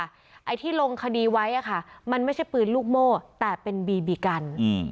ไอ้ที่ลงคดีไว้อะค่ะมันไม่ใช่ปืนลูกโม่แต่เป็นบีบีกัน